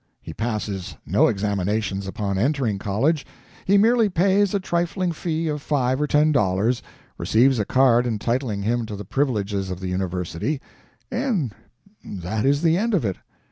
He passes no examinations upon entering college. He merely pays a trifling fee of five or ten dollars, receives a card entitling him to the privileges of the university, and that is the end of it.